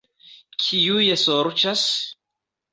Kiuj sorĉas?